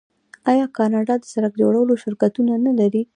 آیا کاناډا د سړک جوړولو شرکتونه نلري؟